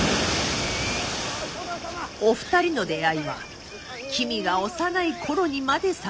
お二人の出会いは君が幼い頃にまで遡り。